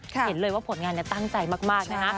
เห็นเลยว่าผลงานตั้งใจมากนะคะ